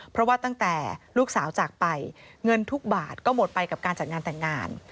เพราะว่าตั้งแต่ลูกสาวจากไปเงินทุกบาทก็หมดไปกับการจัดงานแต่งงาน